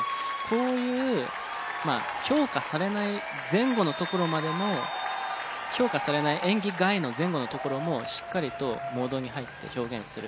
こういう評価されない前後のところまでも評価されない演技外の前後のところもしっかりとモードに入って表現する。